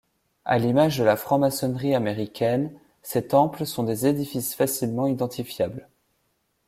A l’image de la franc-maçonnerie américaine, ses temples sont des édifices facilement identifiables.